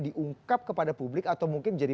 diungkap kepada publik atau mungkin jadi